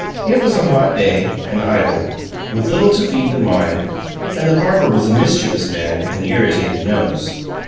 It was a hot day and idle, with little to feed the mind and the barber was a mischievous man with an irritated nose.